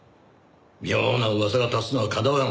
妙な噂が立つのはかなわん。